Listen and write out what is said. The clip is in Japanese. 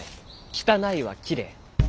汚いはきれい。